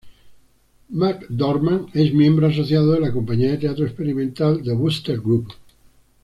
McDormand es miembro asociado de la compañía de teatro experimental The Wooster Group.